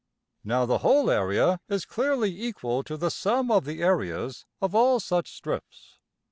Now, the whole area is clearly equal to the sum of the areas of all such strips.